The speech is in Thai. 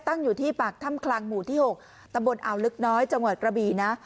อยู่ที่ปากถ้ำคลังหมู่ที่๖ตำบลอ่าวลึกน้อยจังหวัดกระบีนะ